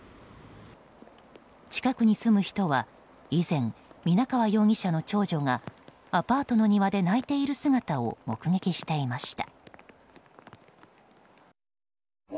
近くに住む人は以前皆川容疑者の長女がアパートの庭で泣いている姿を目撃していました。